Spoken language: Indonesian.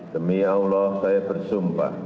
demi allah saya bersumpah